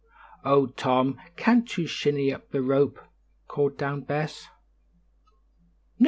"Oh, Tom, can't you shinny up the rope?" called down Bess. "No.